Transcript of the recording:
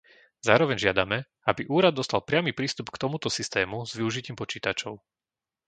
Zároveň žiadame, aby úrad dostal priamy prístup k tomuto systému s využitím počítačov.